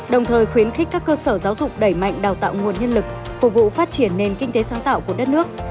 đồng thời khuyến khích các cơ sở giáo dục đẩy mạnh đào tạo nguồn nhân lực phục vụ phát triển nền kinh tế sáng tạo của đất nước